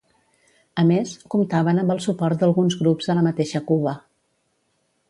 A més, comptaven amb el suport d'alguns grups a la mateixa Cuba.